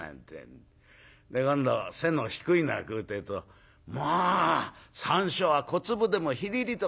で今度背の低いのが来るってえと「まあ山椒は小粒でもひりりと辛いよ」なんて。